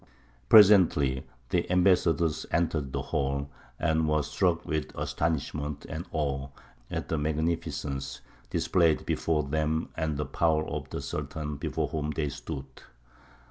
Presently the ambassadors entered the hall, and were struck with astonishment and awe at the magnificence displayed before them and the power of the Sultan before whom they stood.